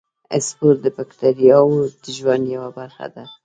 سپور د باکتریاوو د ژوند یوه برخه ده.